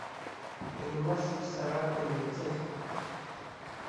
Еимасыԥсар акәын аӡыхь.